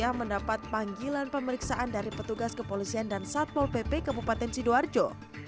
mas ria mendapat panggilan pemeriksaan dari petugas kepolisian dan satpol pp ke bupaten sidoarjo